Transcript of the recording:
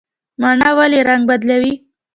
مڼه ولې رنګ بدلوي؟